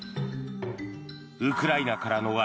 ウクライナから逃れ